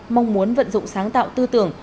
mong muốn vận dụng sáng tạo tư tưởng